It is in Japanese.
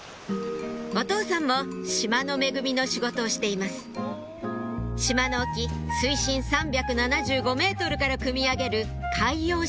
お父さんも島の恵みの仕事をしています島の沖水深３７５ｍからくみ上げる